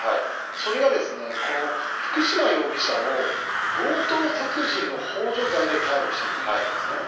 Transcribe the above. それがこの福島容疑者を強盗殺人のほう助罪で逮捕してることなんですね。